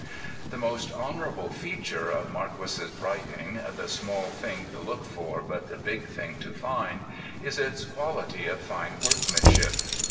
The most honourable feature of Marquis's writing, the "small thing to look for but the big thing to find," is its quality of fine workmanship.